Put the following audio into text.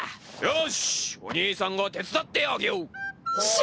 よしおにいさんが手伝ってあげよう。